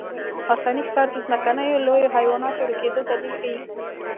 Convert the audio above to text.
انساني ښکار د ځمکنیو لویو حیواناتو ورکېدو دلیل ښيي.